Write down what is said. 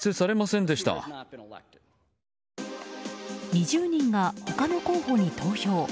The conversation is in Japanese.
２０人が他の候補に投票。